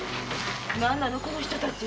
何なのこの人たち？